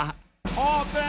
オープン！